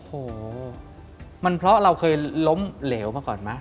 โอ้โหมันเพราะเราเคยล้มเหลวมาก่อนไหม